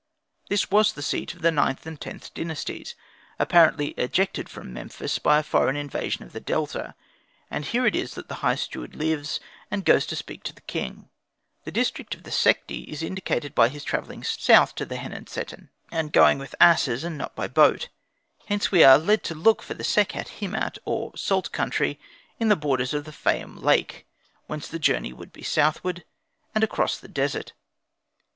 This was the seat of the IXth and Xth Dynasties, apparently ejected from Memphis by a foreign invasion of the Delta; and here it is that the High Steward lives and goes to speak to the king. The district of the Sekhti is indicated by his travelling south to Henenseten, and going with asses and not by boat. Hence we are led to look for the Sekhet Hemat, or salt country, in the borders of the Fayum lake, whence the journey would be southward, and across the desert.